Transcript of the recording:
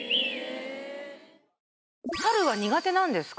サルは苦手なんですか？